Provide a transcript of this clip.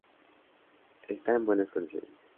Está en buenas condiciones.